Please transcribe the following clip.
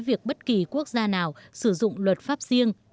việc bất kỳ quốc gia nào sử dụng luật pháp riêng